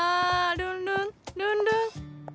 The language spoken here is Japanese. ルンルンルンルン！